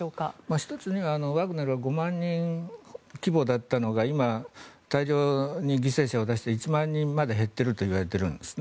１つにはワグネルは５万人規模だったのが今、大量に犠牲者を出して１万人まで減っているといわれているんですね。